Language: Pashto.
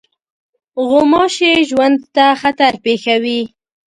غوماشې ژوند ته خطر پېښوي.